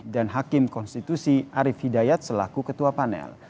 dan hakim konstitusi arief hidayat selaku ketua panel